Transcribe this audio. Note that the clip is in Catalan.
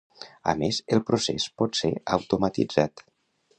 A més, el procés pot ser automatitzat.